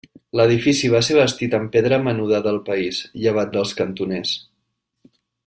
L'edifici va ser bastit amb pedra menuda del país, llevat dels cantoners.